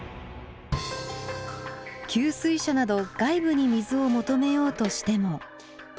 給水車など外部に水を求めようとしても。